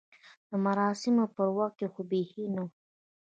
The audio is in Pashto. د مراسمو پر وخت کې خو بیخي نه و.